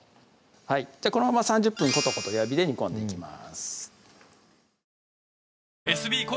このまま３０分ことこと弱火で煮込んでいきます